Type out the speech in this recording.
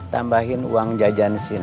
tambahin uang jajan si neng